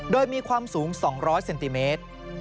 โดยมีความสูง๒๐๐เซนติเมตร